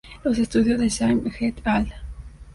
Los estudios de Zimmer "et al.